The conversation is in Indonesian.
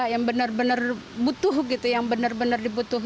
yang benar benar butuh gitu yang benar benar dibutuhkan